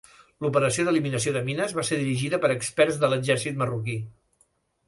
L'operació d'eliminació de mines va ser dirigida per experts de l'exèrcit marroquí.